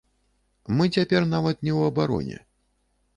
Мы цяпер нават не ў абароне.